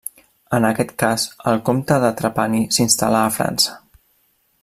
En aquest cas, el comte de Trapani s'instal·là a França.